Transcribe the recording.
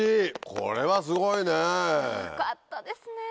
これはすごいねぇ。よかったですねぇ！